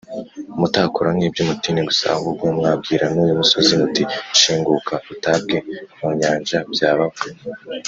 mutakora nk’iby’umutini gusa ahubwo mwabwira n’uyu musozi muti Shinguka utabwe mu nyanja byabaho